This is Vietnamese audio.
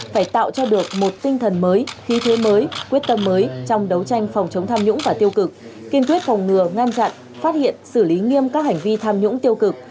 phải tạo cho được một tinh thần mới khí thế mới quyết tâm mới trong đấu tranh phòng chống tham nhũng và tiêu cực kiên quyết phòng ngừa ngăn chặn phát hiện xử lý nghiêm các hành vi tham nhũng tiêu cực